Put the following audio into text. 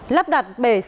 lắp đặt bệnh viện lào cai